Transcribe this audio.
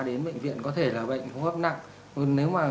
đến bệnh viện có thể là bệnh hô hấp nặng